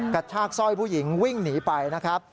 กระชากสร้อยผู้หญิงวิ่งหนีไปนะครับ